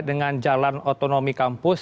dengan jalan otonomi kampus